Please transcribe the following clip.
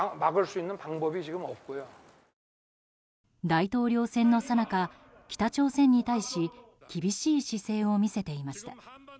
大統領選のさなか北朝鮮に対し厳しい姿勢を見せていました。